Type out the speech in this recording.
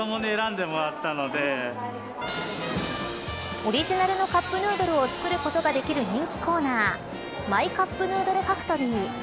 オリジナルのカップヌードルを作ることができる人気コーナーマイカップヌードルファクトリー。